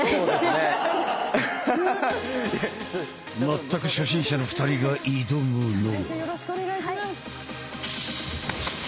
全く初心者の２人が挑むのが。